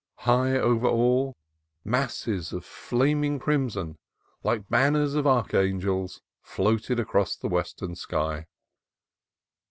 High over all, masses of OLD FORT ROSS 261 flaming crimson, like banners of archangels, floated across the western sky.